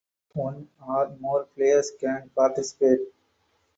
One or more players can participate.